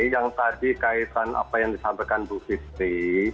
yang tadi kaitan apa yang disampaikan bu fitri